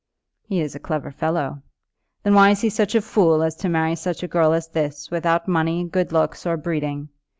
"He is a clever fellow." "Then why is he such a fool as to marry such a girl as this, without money, good looks, or breeding?